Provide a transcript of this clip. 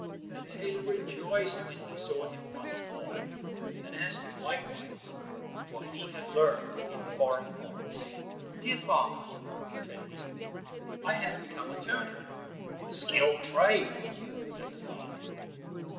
The tailor rejoiced when he saw him once more, and asked him likewise what he had learned in foreign parts. "Dear father," said he, "I have become a turner." "A skilled trade," said the father.